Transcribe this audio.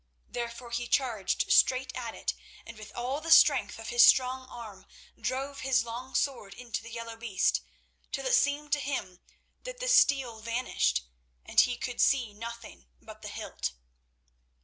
Therefore he charged straight at it, and with all the strength of his strong arm drove his long sword into the yellow breast, till it seemed to him that the steel vanished and he could see nothing but the hilt.